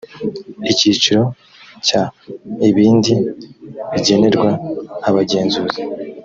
icyiciro cya ibindi bigenerwa abagenzuzi